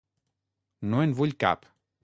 No en vull cap!